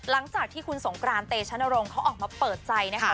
หลังจากที่คุณสงกรานเตชนรงค์เขาออกมาเปิดใจนะคะ